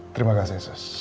terima kasih sus